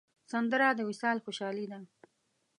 سندره د وصال خوشحالي ده